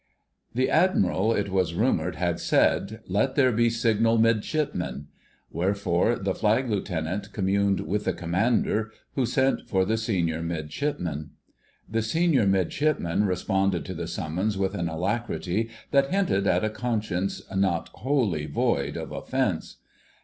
* The Admiral, it was rumoured, had said, "Let there be Signal Midshipmen." Wherefore the Flag Lieutenant communed with the Commander, who sent for the Senior Midshipman. The Senior Midshipman responded to the summons with an alacrity that hinted at a conscience not wholly void of offence.